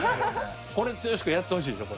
これ剛君やってほしいでしょ？